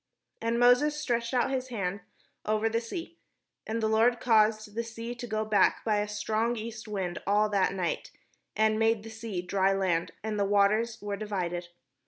And Moses stretched out his hand over the sea; and the Lord caused the sea to go back by a strong east wind all that night, and made the sea dry land, and the waters were di\dded.